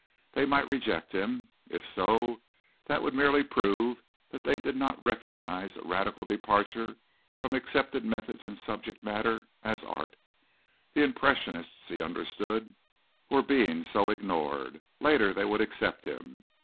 They might reject him. If so that would merely prove that they did not recognize a radical departure from accepted methods and subject matter as art. The impressionists, he understood, were being so ignored. Later they would accept him.